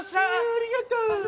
ありがとう